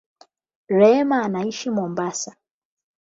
Rehema anaishi Mombasa